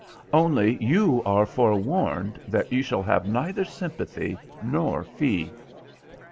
Only you are forewarned that you shall have neither sympathy nor fee."